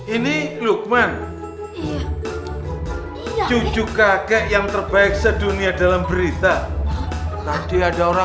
ini lukman cucu kakek yang terbaik sedunia dalam berita tadi ada orang